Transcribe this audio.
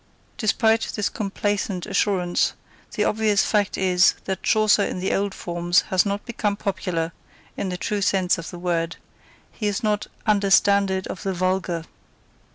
Despite this complacent assurance, the obvious fact is, that Chaucer in the old forms has not become popular, in the true sense of the word; he is not "understanded of the vulgar."